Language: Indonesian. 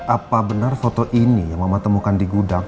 apa benar foto ini yang mama temukan di gudang